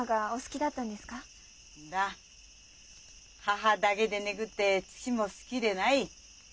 母だけでねぐって父も好きでない。